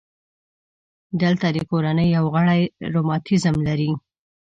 دلته د کورنۍ یو غړی رماتیزم لري.